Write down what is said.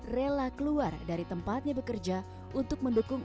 rela keluar dari tempatnya bekerja untuk mendukung